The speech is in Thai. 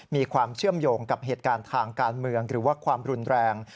มีความเชื่อมโยงกับเหตุการณ์ทางการเมืองหรือว่าความรุนแรง